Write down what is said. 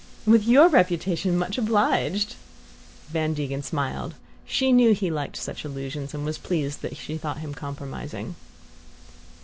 "With your reputation? Much obliged!" Van Degen smiled. She knew he liked such allusions, and was pleased that she thought him compromising.